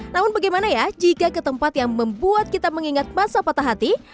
namun bagaimana ya jika ke tempat yang membuat kita mengingat masa patah hati